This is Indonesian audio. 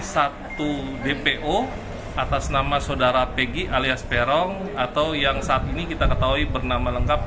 satu dpo atas nama saudara pg alias peron atau yang saat ini kita ketahui bernama lengkap